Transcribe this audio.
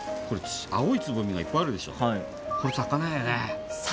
青いつぼみがいっぱいあるでしょ。